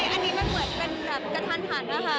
อันนี้มันเหมือนเป็นแบบกระทันหันนะคะ